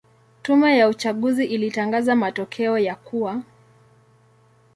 Tume ya uchaguzi ilitangaza matokeo ya kuwa